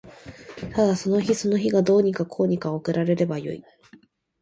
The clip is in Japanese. ただその日その日がどうにかこうにか送られればよい